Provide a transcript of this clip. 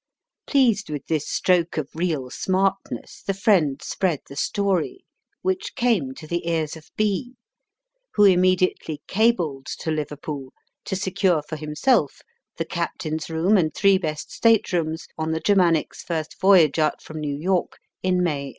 Pleased with this stroke of real smartness, the friend spread the story, which came to the ears of B, who immediately cabled to Liverpool to secure for himself ^*the captain's room and three best state rooms on the Germanic's first voyage out from New York, in May, 1884."